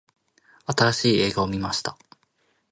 新しい映画を観ました。